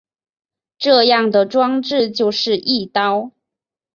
这样的装置就是翼刀。